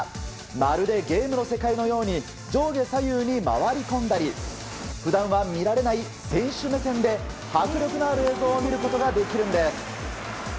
まるでゲームの世界のように上下左右に回り込んだり普段は見られない選手目線で迫力のある映像を見ることができるんです。